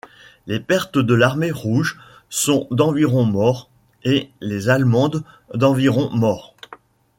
Les pertes de l'armée rouge sont d'environ morts, et les allemandes d'environ morts.